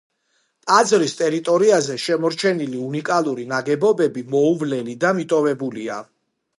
ტაძრის ტერიტორიაზე შემორჩენილი უნიკალური ნაგებობები მოუვლელი და მიტოვებულია.